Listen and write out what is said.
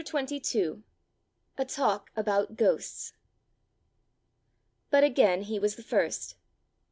CHAPTER XXII. A TALK ABOUT GHOSTS. But again he was the first.